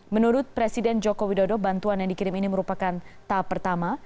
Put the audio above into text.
menurut presiden joko widodo bantuan yang dikirim ini merupakan tahap pertama